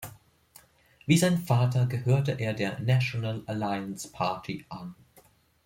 Wie sein Vater gehört er der National Alliance Party an.